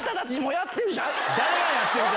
誰がやってるか！